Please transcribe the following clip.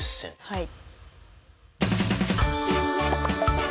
はい。